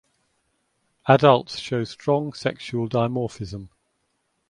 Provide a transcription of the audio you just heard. Adults show strong sexual dimorphism.